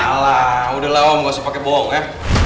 alah udah lama enggak usah pake bohong ya